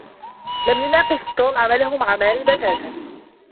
لم ينقاش توم عمله مع ماري بتاتا.